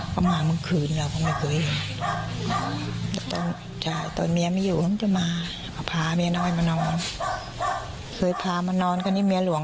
เขาเคยพามานอนป๊าไม่เคยเห็นเขามาเมื่อคืนแล้วเขาไม่เคยเห็น